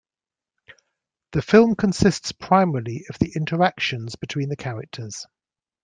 The film consists primarily of the interactions between the characters.